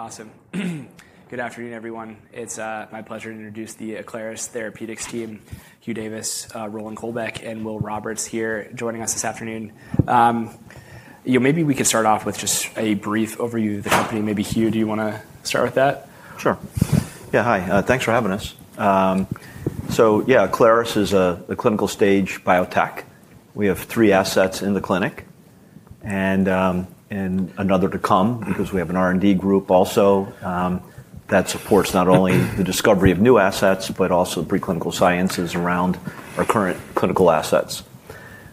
Awesome. Good afternoon, everyone. It's my pleasure to introduce the Aclaris Therapeutics team. Hugh Davis, Roland Kolbeck, and Will Roberts here joining us this afternoon. Maybe we could start off with just a brief overview of the company. Maybe, Hugh, do you want to start with that? Sure. Yeah, hi. Thanks for having us. Aclaris is a clinical stage biotech. We have three assets in the clinic and another to come because we have an R&D group also that supports not only the discovery of new assets but also preclinical sciences around our current clinical assets.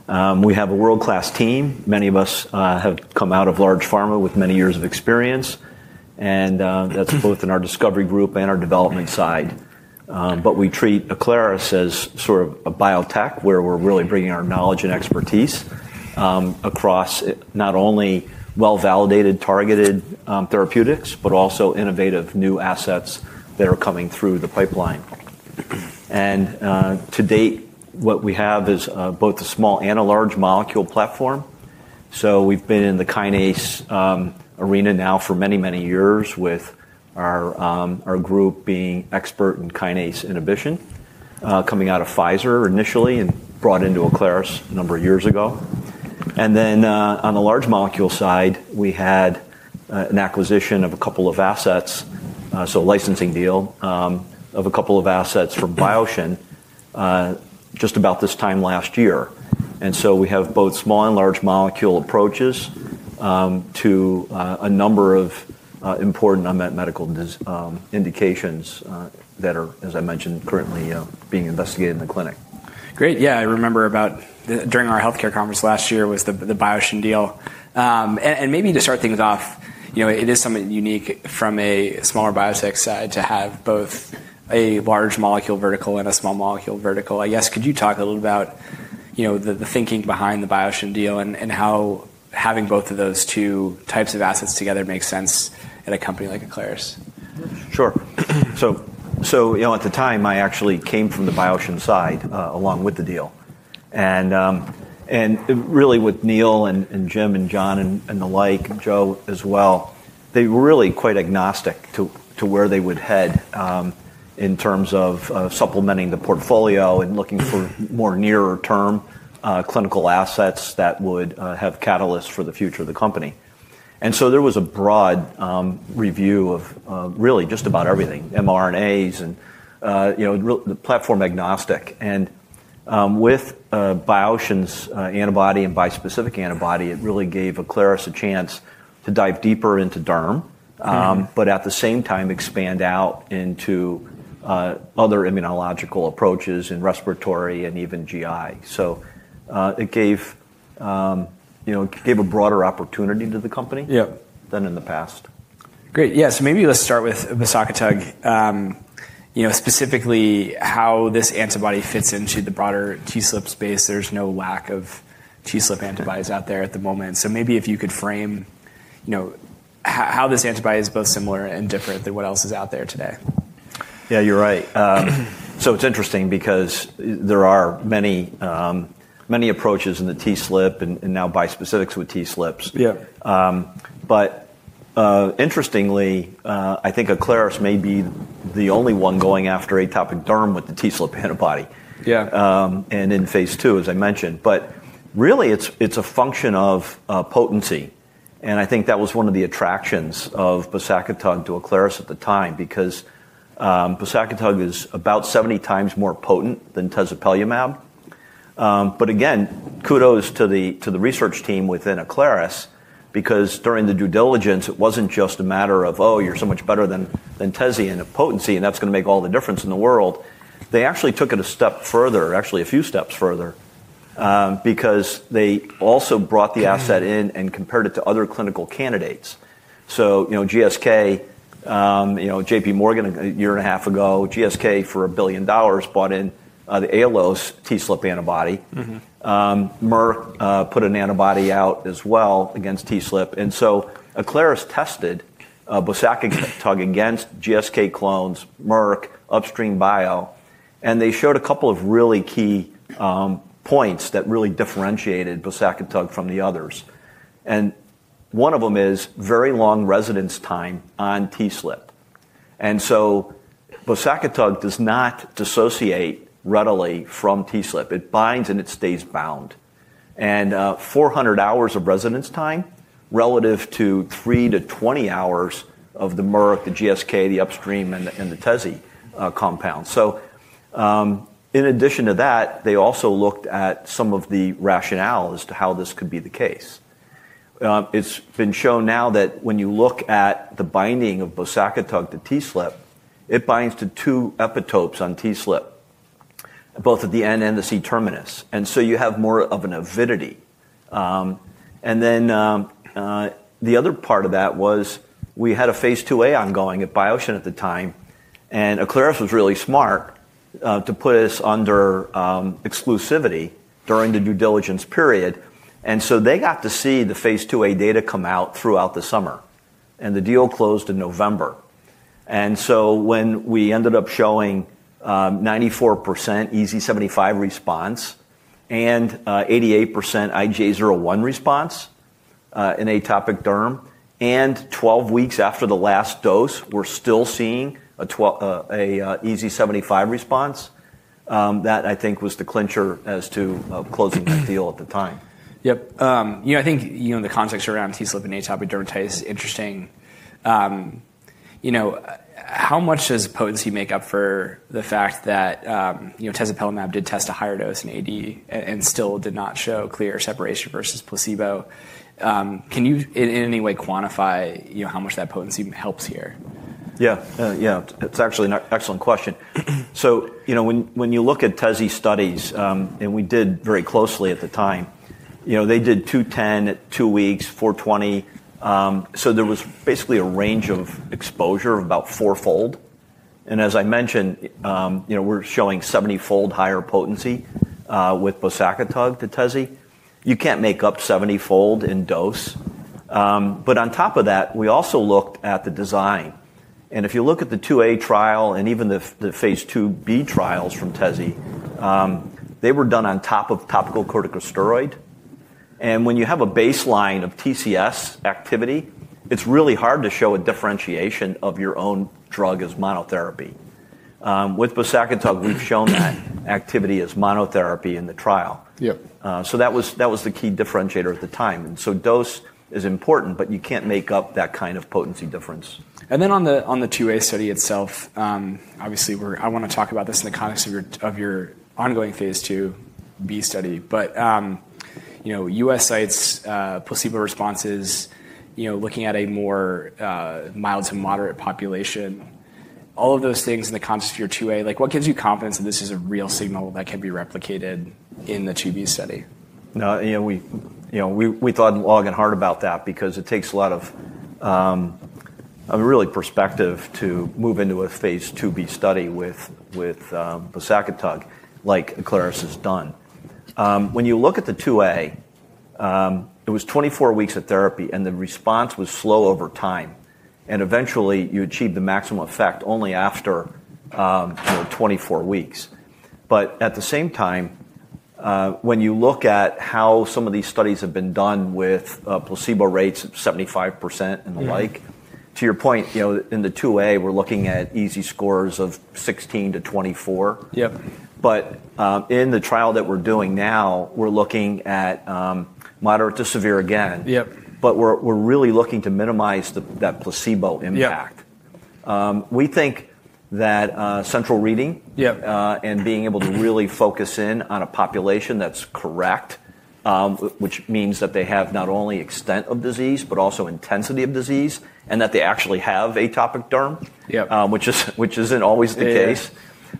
We have a world-class team. Many of us have come out of large pharma with many years of experience. That is both in our discovery group and our development side. We treat Aclaris as sort of a biotech where we're really bringing our knowledge and expertise across not only well-validated, targeted therapeutics but also innovative new assets that are coming through the pipeline. To date, what we have is both a small and a large molecule platform. We've been in the kinase arena now for many, many years with our group being expert in kinase inhibition, coming out of Pfizer initially and brought into Aclaris a number of years ago. Then on the large molecule side, we had an acquisition of a couple of assets, a licensing deal of a couple of assets from Biosion just about this time last year. We have both small and large molecule approaches to a number of important unmet medical indications that are, as I mentioned, currently being investigated in the clinic. Great. Yeah, I remember about during our health care conference last year was the Biosion deal. And maybe to start things off, it is something unique from a smaller biotech side to have both a large molecule vertical and a small molecule vertical. I guess, could you talk a little about the thinking behind the Biosion deal and how having both of those two types of assets together makes sense at a company like Aclaris? Sure. At the time, I actually came from the Biosion side along with the deal. Really, with Neal and Jim and John and the like, and Joe as well, they were really quite agnostic to where they would head in terms of supplementing the portfolio and looking for more near-term clinical assets that would have catalysts for the future of the company. There was a broad review of really just about everything, mRNAs and platform agnostic. With Biosion's antibody and bispecific antibody, it really gave Aclaris a chance to dive deeper into derm, but at the same time expand out into other immunological approaches in respiratory and even GI. It gave a broader opportunity to the company than in the past. Great. Yeah, so maybe let's start with Bosakitug, specifically how this antibody fits into the broader TSLP space. There's no lack of TSLP antibodies out there at the moment. Maybe if you could frame how this antibody is both similar and different than what else is out there today. Yeah, you're right. It's interesting because there are many approaches in the TSLP and now bispecifics with TSLP. Interestingly, I think Aclaris may be the only one going after atopic derm with the TSLP antibody and in phase two, as I mentioned. Really, it's a function of potency. I think that was one of the attractions of Bosakitug to Aclaris at the time because Bosakitug is about 70 times more potent than Tezepelumab. Again, kudos to the research team within Aclaris because during the due diligence, it wasn't just a matter of, oh, you're so much better than Tezi in potency and that's going to make all the difference in the world. They actually took it a step further, actually a few steps further, because they also brought the asset in and compared it to other clinical candidates. GSK, JPMorgan a year and a half ago, GSK for $1 billion bought in the Aiolos TSLP antibody. Merck put an antibody out as well against TSLP. Aclaris tested the Bosakitug against GSK clones, Merck, Upstream Bio, and they showed a couple of really key points that really differentiated the Bosakitug from the others. One of them is very long residence time on TSLP. The Bosakitug does not dissociate readily from TSLP. It binds and it stays bound. Four hundred hours of residence time relative to 3-20 hours of the Merck, the GSK, the Upstream, and the Tezopelumab compounds. In addition to that, they also looked at some of the rationale as to how this could be the case. It's been shown now that when you look at the binding of Bosakitug to TSLP, it binds to two epitopes on TSLP, both at the end and the C terminus. You have more of an avidity. The other part of that was we had a phase 2A ongoing at Biosion at the time. Aclaris was really smart to put us under exclusivity during the due diligence period. They got to see the phase 2A data come out throughout the summer. The deal closed in November. When we ended up showing 94% EASI-75 response and 88% IGA 01 response in atopic derm, and 12 weeks after the last dose, we're still seeing an EASI75 response, that I think was the clincher as to closing the deal at the time. Yep. I think the context around TSLP and atopic dermatitis is interesting. How much does potency make up for the fact that Tezopelumab did test a higher dose in AD and still did not show clear separation versus placebo? Can you in any way quantify how much that potency helps here? Yeah. Yeah, it's actually an excellent question. When you look at Tezi studies, and we did very closely at the time, they did 210 at two weeks, 420. There was basically a range of exposure of about fourfold. As I mentioned, we're showing 70-fold higher potency with Bosakitug to Tezi. You can't make up 70-fold in dose. On top of that, we also looked at the design. If you look at the phase 2A trial and even the phase 2B trials from Tezi, they were done on top of topical corticosteroid. When you have a baseline of TCS activity, it's really hard to show a differentiation of your own drug as monotherapy. With Bosakitug, we've shown that activity as monotherapy in the trial. That was the key differentiator at the time. Dose is important, but you can't make up that kind of potency difference. On the two A study itself, obviously, I want to talk about this in the context of your ongoing phase two B study. U.S. sites, placebo responses, looking at a more mild to moderate population, all of those things in the context of your two A, what gives you confidence that this is a real signal that can be replicated in the two B study? We thought long and hard about that because it takes a lot of really perspective to move into a phase 2B study with Bosakitug like Aclaris has done. When you look at the 2A, it was 24 weeks of therapy and the response was slow over time. Eventually, you achieved the maximum effect only after 24 weeks. At the same time, when you look at how some of these studies have been done with placebo rates of 75% and the like, to your point, in the 2A, we're looking at EASI scores of 16-24. In the trial that we're doing now, we're looking at moderate to severe again. We're really looking to minimize that placebo impact. We think that central reading and being able to really focus in on a population that's correct, which means that they have not only extent of disease but also intensity of disease and that they actually have atopic derm, which isn't always the case.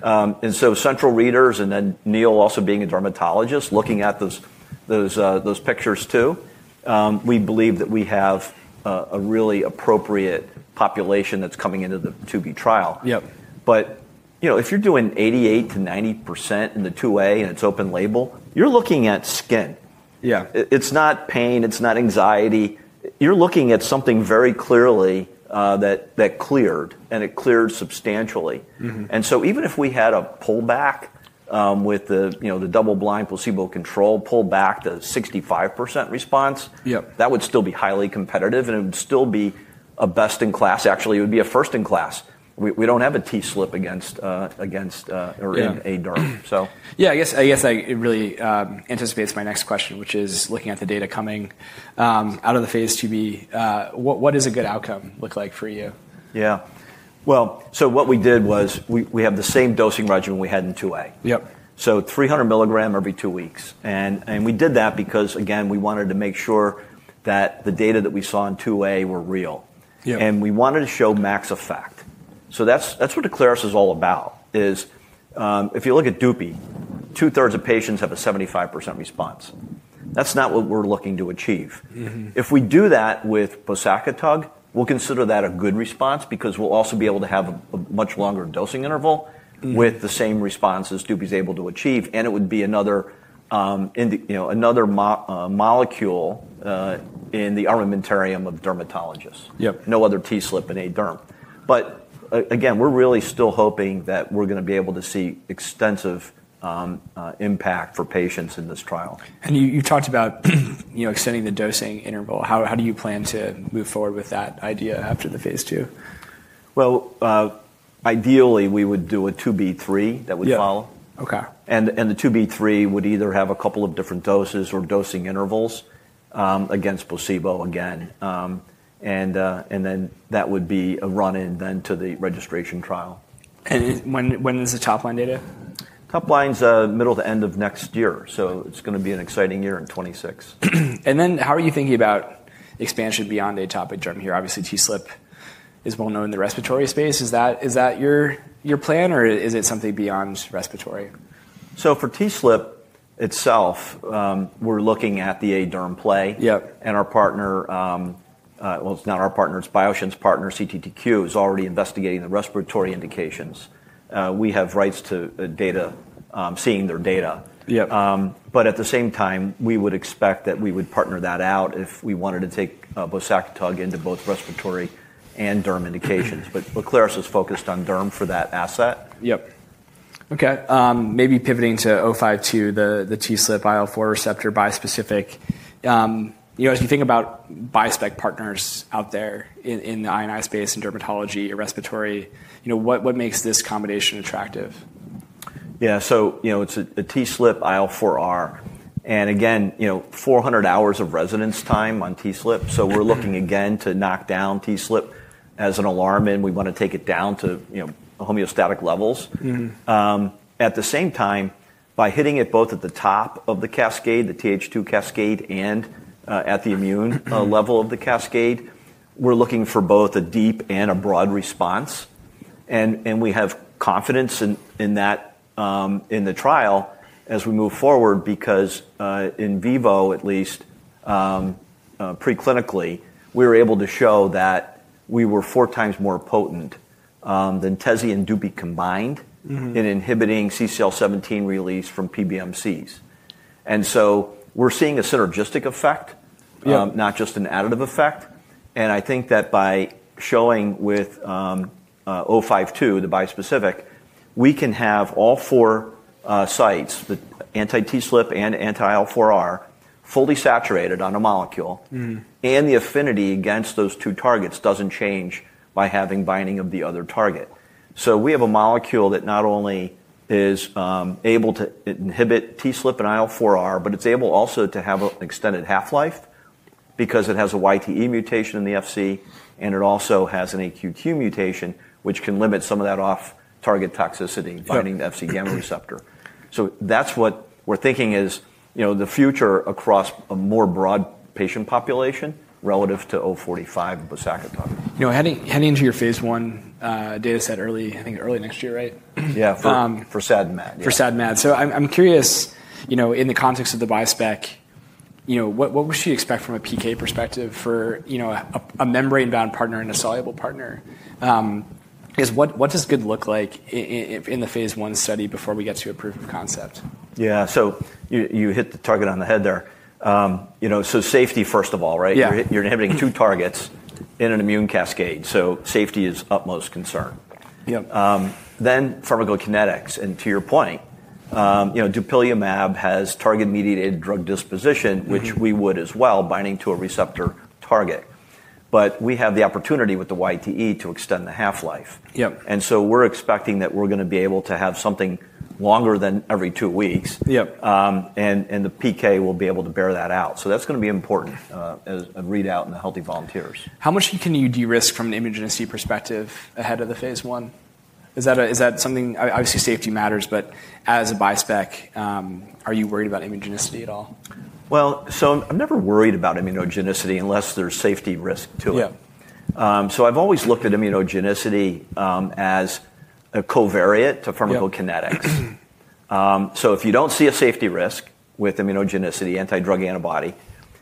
Central readers and then Neal also being a dermatologist looking at those pictures too, we believe that we have a really appropriate population that's coming into the two B trial. If you're doing 88-90% in the two A and it's open label, you're looking at skin. It's not pain. It's not anxiety. You're looking at something very clearly that cleared and it cleared substantially. Even if we had a pullback with the double-blind placebo control pullback to 65% response, that would still be highly competitive and it would still be a best in class. Actually, it would be a first in class. We don't have a TSLP against or in a derm. Yeah, I guess that really anticipates my next question, which is looking at the data coming out of the phase 2B. What does a good outcome look like for you? Yeah. What we did was we have the same dosing regimen we had in 2A, so 300 milligram every two weeks. We did that because, again, we wanted to make sure that the data that we saw in 2A were real. We wanted to show max effect. That is what Aclaris is all about. If you look at Dupi, 2/3 of patients have a 75% response. That is not what we are looking to achieve. If we do that with Bosakitug, we will consider that a good response because we will also be able to have a much longer dosing interval with the same response as Dupi is able to achieve. It would be another molecule in the armamentarium of dermatologists, no other TSLP in derm. Again, we're really still hoping that we're going to be able to see extensive impact for patients in this trial. You talked about extending the dosing interval. How do you plan to move forward with that idea after the phase two? Ideally, we would do a 2B3 that would follow. The 2B3 would either have a couple of different doses or dosing intervals against placebo again. That would be a run-in then to the registration trial. When is the top line data? Top line's middle to end of next year. It's going to be an exciting year in 2026. How are you thinking about expansion beyond atopic derm here? Obviously, TSLP is well known in the respiratory space. Is that your plan or is it something beyond respiratory? For TSLP itself, we're looking at the derm play. Our partner, well, it's not our partner, it's Biosion's partner, CTTQ, is already investigating the respiratory indications. We have rights to data, seeing their data. At the same time, we would expect that we would partner that out if we wanted to take Bosakitug into both respiratory and derm indications. Aclaris is focused on derm for that asset. Yep. Okay. Maybe pivoting to 052, the TSLP IL-4 receptor bispecific. As you think about bispec partners out there in the INI space and dermatology or respiratory, what makes this combination attractive? Yeah, so it's a TSLP IL-4R. Again, 400 hours of residence time on TSLP. We're looking again to knock down TSLP as an alarm. We want to take it down to homeostatic levels. At the same time, by hitting it both at the top of the cascade, the TH2 cascade, and at the immune level of the cascade, we're looking for both a deep and a broad response. We have confidence in that in the trial as we move forward because in vivo, at least preclinically, we were able to show that we were four times more potent than Tezopelumab and Dupilumab combined in inhibiting CCL17 release from PBMCs. We're seeing a synergistic effect, not just an additive effect. I think that by showing with 052, the bispecific, we can have all four sites, the anti-TSLP and anti-IL-4R, fully saturated on a molecule. The affinity against those two targets doesn't change by having binding of the other target. We have a molecule that not only is able to inhibit TSLP and IL-4R, but it's able also to have an extended half-life because it has a YTE mutation in the Fc. It also has an AQQ mutation, which can limit some of that off-target toxicity binding the Fc gamma receptor. That's what we're thinking is the future across a more broad patient population relative to ATI-045 and Bosakitug. Heading into your phase one data set early, I think early next year, right? Yeah, for SAD/MAD. For SAD/MAD. I'm curious, in the context of the bispec, what would you expect from a PK perspective for a membrane-bound partner and a soluble partner? What does good look like in the phase one study before we get to a proof of concept? Yeah, you hit the target on the head there. Safety, first of all, right? You're inhibiting two targets in an immune cascade, so safety is utmost concern. Then pharmacokinetics. To your point, dupilumab has target-mediated drug disposition, which we would as well, binding to a receptor target. We have the opportunity with the YTE to extend the half-life, and we're expecting that we're going to be able to have something longer than every two weeks. The PK will be able to bear that out. That's going to be important as a readout in the healthy volunteers. How much can you de-risk from an immunogenicity perspective ahead of the phase one? Is that something obviously safety matters, but as a bispec, are you worried about immunogenicity at all? I'm never worried about immunogenicity unless there's safety risk to it. I've always looked at immunogenicity as a covariate to pharmacokinetics. If you don't see a safety risk with immunogenicity, anti-drug antibody,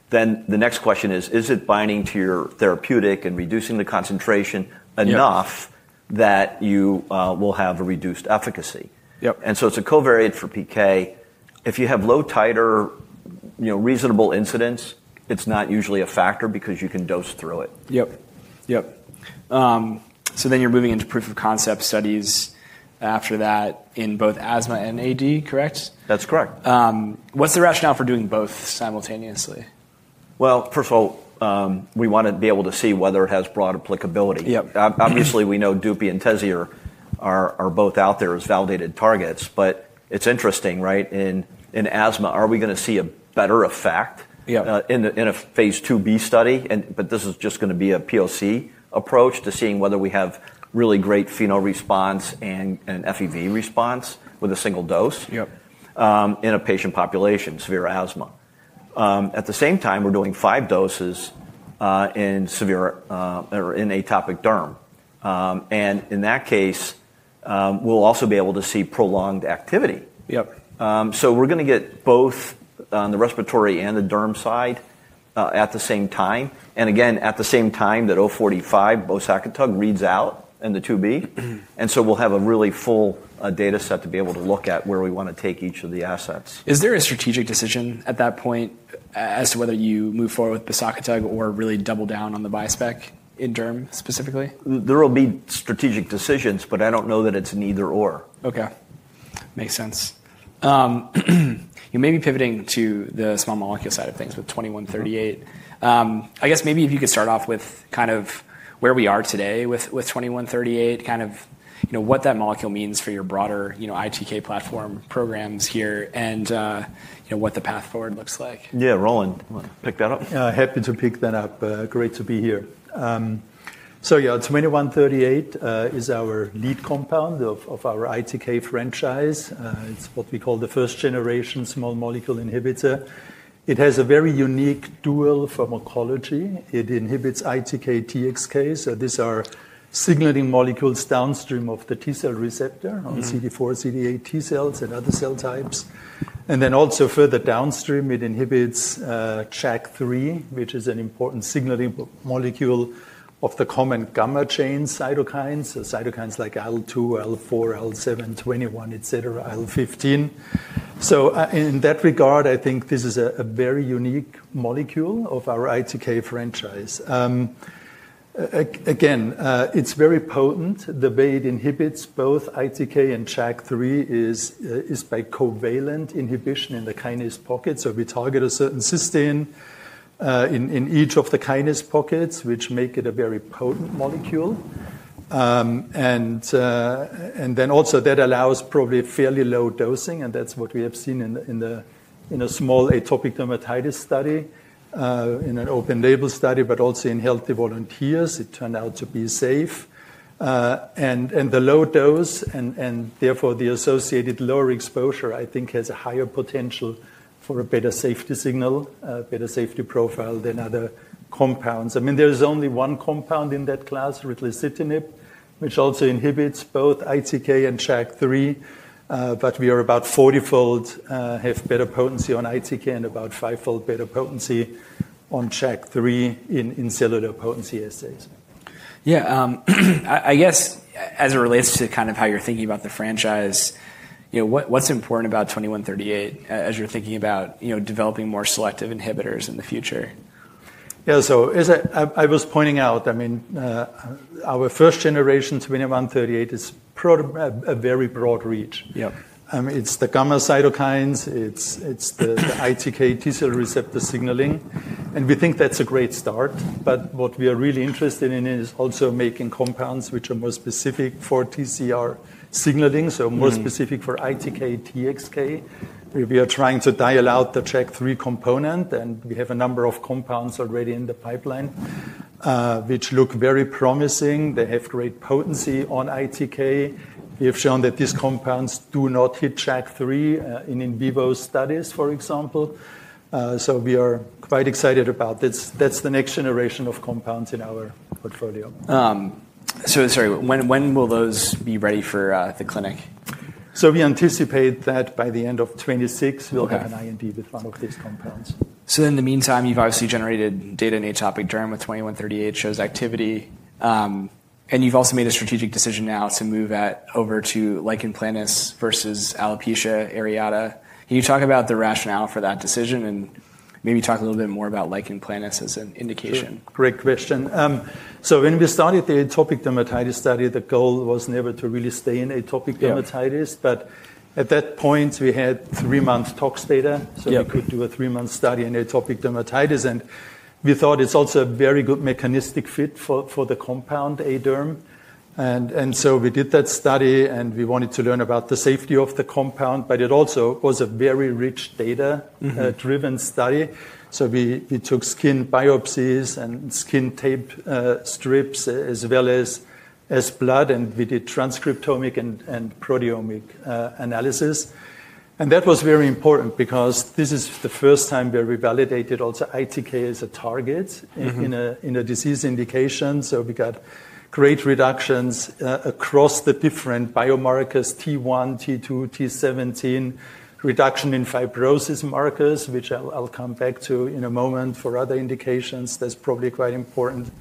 then the next question is, is it binding to your therapeutic and reducing the concentration enough that you will have a reduced efficacy? It's a covariate for PK. If you have low titer reasonable incidence, it's not usually a factor because you can dose through it. Yep. Yep. So then you're moving into proof of concept studies after that in both asthma and AD, correct? That's correct. What's the rationale for doing both simultaneously? First of all, we want to be able to see whether it has broad applicability. Obviously, we know Dupi and Tezi are both out there as validated targets. It is interesting, right? In asthma, are we going to see a better effect in a phase 2B study? This is just going to be a POC approach to seeing whether we have really great phenol response and FEV response with a single dose in a patient population, severe asthma. At the same time, we are doing five doses in atopic derm. In that case, we will also be able to see prolonged activity. We are going to get both on the respiratory and the derm side at the same time. Again, at the same time that 045, the Bosakitug, reads out in the 2B. We'll have a really full data set to be able to look at where we want to take each of the assets. Is there a strategic decision at that point as to whether you move forward with Bosakitug or really double down on the bispec in derm specifically? There will be strategic decisions, but I don't know that it's an either/or. Okay. Makes sense. You may be pivoting to the small molecule side of things with 2138. I guess maybe if you could start off with kind of where we are today with 2138, kind of what that molecule means for your broader ITK platform programs here and what the path forward looks like. Yeah, Roland, pick that up. Happy to pick that up. Great to be here. Yeah, 2138 is our lead compound of our ITK franchise. It's what we call the first generation small molecule inhibitor. It has a very unique dual pharmacology. It inhibits ITK, TXK. These are signaling molecules downstream of the T-cell receptor on CD4, CD8 T-cells and other cell types. Also, further downstream, it inhibits JAK3, which is an important signaling molecule of the common gamma chain cytokines. Cytokines like IL-2, IL-4, IL-7, 21, et cetera, IL-15. In that regard, I think this is a very unique molecule of our ITK franchise. Again, it's very potent. The way it inhibits both ITK and JAK3 is by covalent inhibition in the kinase pocket. We target a certain cysteine in each of the kinase pockets, which make it a very potent molecule. That also allows probably fairly low dosing. That is what we have seen in a small atopic dermatitis study in an open label study, but also in healthy volunteers. It turned out to be safe. The low dose and therefore the associated lower exposure, I think, has a higher potential for a better safety signal, better safety profile than other compounds. I mean, there is only one compound in that class, ritlecitinib, which also inhibits both ITK and JAK3. We are about 40-fold better potency on ITK and about 5-fold better potency on JAK3 in cellular potency assays. Yeah. I guess as it relates to kind of how you're thinking about the franchise, what's important about 2138 as you're thinking about developing more selective inhibitors in the future? Yeah, so as I was pointing out, I mean, our first-generation 2138 is a very broad reach. It's the gamma cytokines. It's the ITK T-cell receptor signaling. And we think that's a great start. What we are really interested in is also making compounds which are more specific for TCR signaling, so more specific for ITK/TXK. We are trying to dial out the JAK3 component. We have a number of compounds already in the pipeline, which look very promising. They have great potency on ITK. We have shown that these compounds do not hit Jak3 in in vivo studies, for example. We are quite excited about this. That's the next generation of compounds in our portfolio. Sorry, when will those be ready for the clinic? We anticipate that by the end of 2026, we'll have an IND with one of these compounds. In the meantime, you've obviously generated data in atopic derm with 2138 shows activity. You've also made a strategic decision now to move that over to lichen planus versus alopecia areata. Can you talk about the rationale for that decision and maybe talk a little bit more about lichen planus as an indication? Great question. When we started the atopic dermatitis study, the goal was never to really stay in atopic dermatitis. At that point, we had three-month tox data, so we could do a three-month study in atopic dermatitis. We thought it is also a very good mechanistic fit for the compound a derm, so we did that study. We wanted to learn about the safety of the compound, but it also was a very rich data-driven study. We took skin biopsies and skin tape strips as well as blood, and we did transcriptomic and proteomic analysis. That was very important because this is the first time where we validated also ITK as a target in a disease indication. We got great reductions across the different biomarkers, T1, T2, T17, reduction in fibrosis markers, which I will come back to in a moment for other indications. That's probably quite important.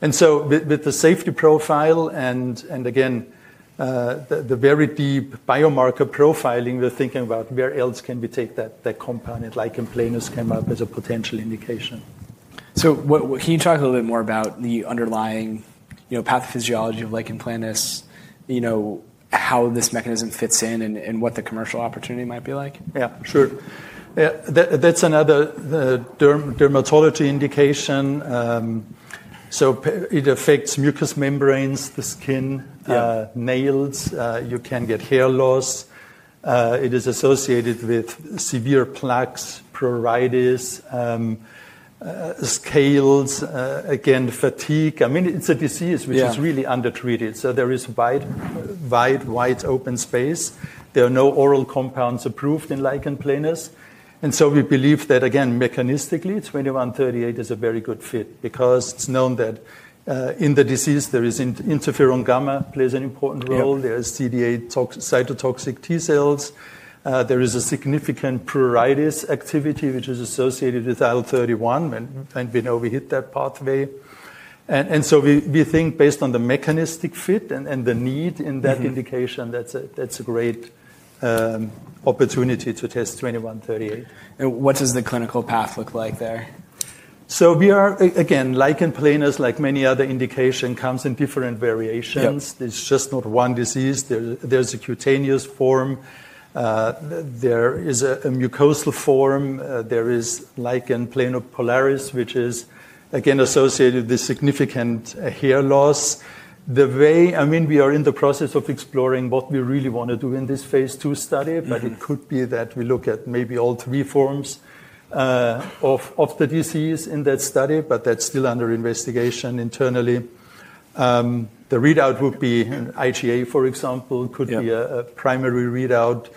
With the safety profile and again, the very deep biomarker profiling, we're thinking about where else can we take that compound like lichen planus came up as a potential indication. Can you talk a little bit more about the underlying pathophysiology of lichen planus, how this mechanism fits in and what the commercial opportunity might be like? Yeah, sure. That's another dermatology indication. It affects mucous membranes, the skin, nails. You can get hair loss. It is associated with severe plaques, pruritus, scales, again, fatigue. I mean, it's a disease which is really undertreated. There is wide, wide, wide open space. There are no oral compounds approved in lichen planus. We believe that again, mechanistically, 2138 is a very good fit because it's known that in the disease, interferon gamma plays an important role. There are CD8 cytotoxic T-cells. There is significant pruritus activity, which is associated with IL-31 when we overheat that pathway. We think based on the mechanistic fit and the need in that indication, that's a great opportunity to test 2138. What does the clinical path look like there? We are, again, lichen planus, like many other indications, comes in different variations. It's just not one disease. There's a cutaneous form. There is a mucosal form. There is lichen planopilaris, which is again associated with significant hair loss. I mean, we are in the process of exploring what we really want to do in this phase two study. It could be that we look at maybe all three forms of the disease in that study. That's still under investigation internally. The readout would be IGA, for example, could be a primary readout.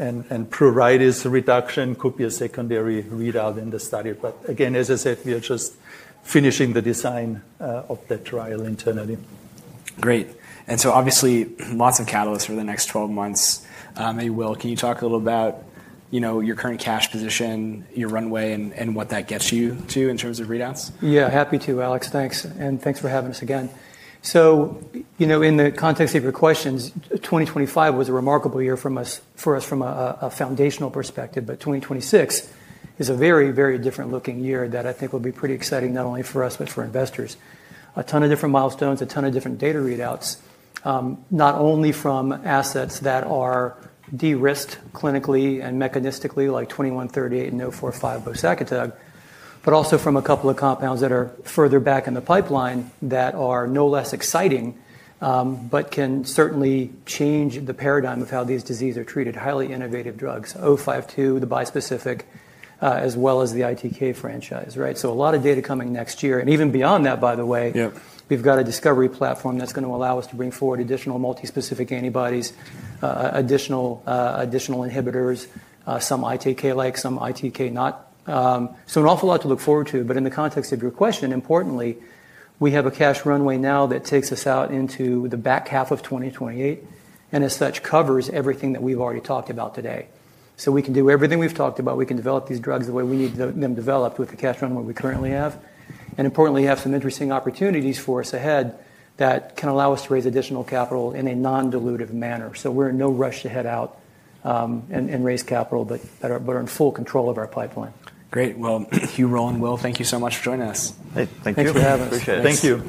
Pruritus reduction could be a secondary readout in the study. Again, as I said, we are just finishing the design of that trial internally. Great. Obviously, lots of catalysts for the next 12 months. Maybe, Will, can you talk a little about your current cash position, your runway, and what that gets you to in terms of readouts? Yeah, happy to, Alex. Thanks. Thanks for having us again. In the context of your questions, 2025 was a remarkable year for us from a foundational perspective. 2026 is a very, very different looking year that I think will be pretty exciting not only for us, but for investors. A ton of different milestones, a ton of different data readouts, not only from assets that are de-risked clinically and mechanistically like 2138 and 045, Bosakitug, but also from a couple of compounds that are further back in the pipeline that are no less exciting, but can certainly change the paradigm of how these diseases are treated, highly innovative drugs, 052, the bispecific, as well as the ITK franchise, right? A lot of data coming next year. Even beyond that, by the way, we've got a discovery platform that's going to allow us to bring forward additional multispecific antibodies, additional inhibitors, some ITK-like, some ITK-not. An awful lot to look forward to. In the context of your question, importantly, we have a cash runway now that takes us out into the back half of 2028. As such, it covers everything that we've already talked about today. We can do everything we've talked about. We can develop these drugs the way we need them developed with the cash runway we currently have. Importantly, we have some interesting opportunities for us ahead that can allow us to raise additional capital in a non-dilutive manner. We're in no rush to head out and raise capital, but are in full control of our pipeline. Great. Hugh, Roland, Will, thank you so much for joining us. Thank you. Thank you for having us. Appreciate it. Thank you.